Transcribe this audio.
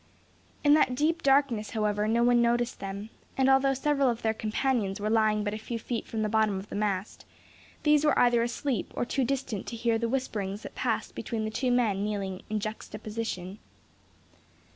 In that deep darkness, however, no one noticed them; and although several of their companions were lying but a few feet from the bottom of the mast, these were either asleep or too distant to hear the whisperings that passed between the two men kneeling in juxtaposition.